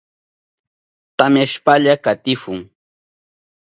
Tamyashpalla katihun.